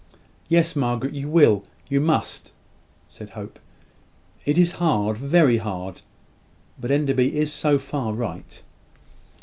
"Yes, Margaret, you will you must," said Hope. "It is hard, very hard; but Enderby is so far right."